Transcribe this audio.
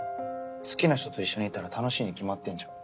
好きな人と一緒にいたら楽しいに決まってんじゃん。